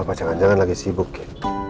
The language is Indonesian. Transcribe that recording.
apa jangan jangan lagi sibuk ya